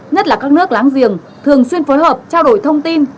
nhất là các nước láng giềng thường xuyên phối hợp trao đổi thông tin